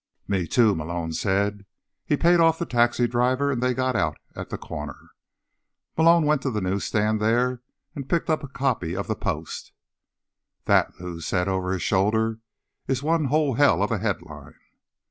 "Me, too," Malone said. He paid off the taxi driver and they got out at the corner. Malone went to the newsstand there and picked up a copy of the Post. "That," Lou said over his shoulder, "is one whole hell of a headline."